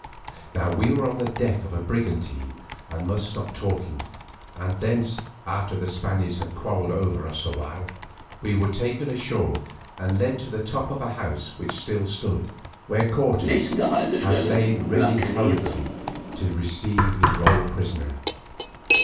Now we were on the deck of the brigantine and must stop talking, and thence, after the Spaniards had quarrelled over us a while, we were taken ashore and led to the top of a house which still stood, where Cortes had made ready hurriedly to receive his royal prisoner.